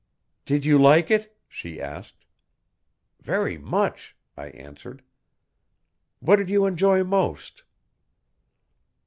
'Did you like it?' she asked. 'Very much,' I answered. 'What did you enjoy most?'